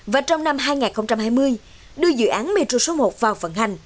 và trong năm hai nghìn hai mươi đưa dự án metro số một vào vận hành